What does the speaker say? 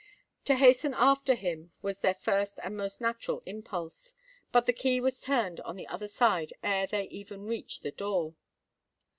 To hasten after him was their first and most natural impulse; but the key was turned on the other side ere they even reached the door.